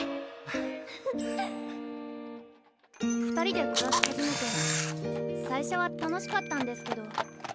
２人で暮らし始めて最初は楽しかったんですけど。